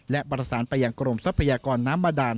และประสานไปยังกรมทรัพยากรน้ำบาดาน